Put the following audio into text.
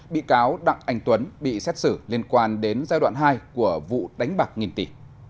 bị cáo đặng anh tuấn bị xét xử liên quan đến giai đoạn hai của vụ đánh bạc nghìn tỷ